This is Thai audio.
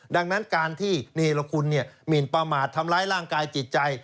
ดังนั้นการที่เนรคุณหมินประมาททำร้ายร่างกายจิตใจ